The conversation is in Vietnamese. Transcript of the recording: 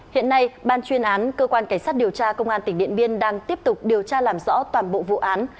hiện nay ban chuyên án cơ quan cảnh sát điều tra công an tỉnh điện biên đang tiếp tục điều tra làm rõ toàn bộ vụ án